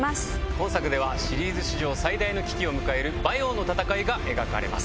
本作ではシリーズ史上最大の危機を迎える馬陽の戦いが描かれます。